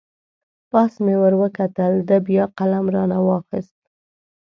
پاس مې ور وکتل، ده بیا قلم را نه واخست.